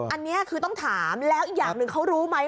อันนี้คือต้องถามแล้วอีกอย่างหนึ่งเขารู้ไหม